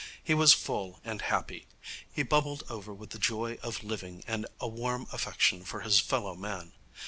He was full and happy. He bubbled over with the joy of living and a warm affection for his fellow man.